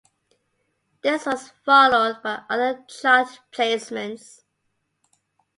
This was followed by other chart placements.